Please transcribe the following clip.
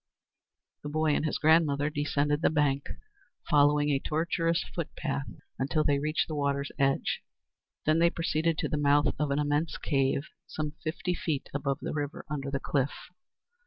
The boy and his grandmother descended the bank, following a tortuous foot path until they reached the water's edge. Then they proceeded to the mouth of an immense cave, some fifty feet above the river, under the cliff.